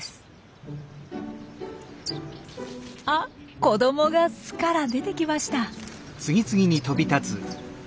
あ子どもが巣から出てきました。